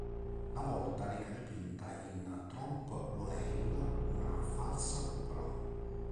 La volta reca dipinta in trompe-l'œil una falsa cupola.